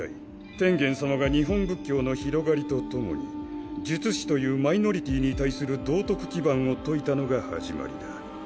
天元様が日本仏教の広がりとともに術師というマイノリティーに対する道徳基盤を説いたのが始まりだ。